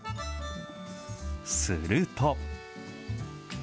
すると。